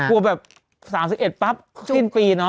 กลัวแบบ๓๑ปั๊บปีนอีกเนอะ